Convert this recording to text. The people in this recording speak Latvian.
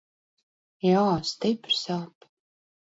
Jā, stipri sāp.